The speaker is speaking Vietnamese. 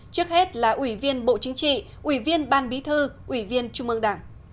trước hết là ủy viên bộ chính trị ủy viên ban bí thư ủy viên trung ương đảng